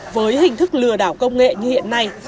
với hình thức lừa đảo công nghệ như hiện nay